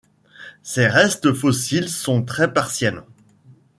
Ses restes fossiles sont très partiels.